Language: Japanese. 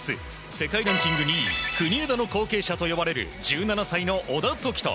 世界ランキング２位国枝の後継者と呼ばれる１７歳の小田凱人。